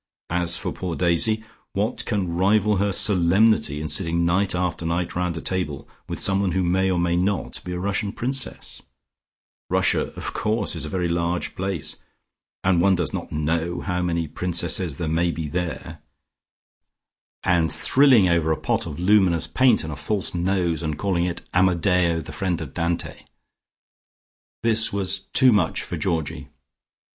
As for poor Daisy, what can rival her solemnity in sitting night after night round a table with someone who may or may not be a Russian princess Russia of course is a very large place, and one does not know how many princesses there may be there and thrilling over a pot of luminous paint and a false nose and calling it Amadeo the friend of Dante." This was too much for Georgie.